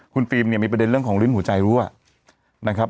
คุณฟิล์มเนี่ยมีประเด็นเรื่องของลิ้นหัวใจรั่วนะครับ